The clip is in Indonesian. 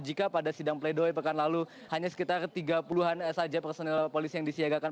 jika pada sidang pleidoy pekan lalu hanya sekitar tiga puluh an saja personil polisi yang disiagakan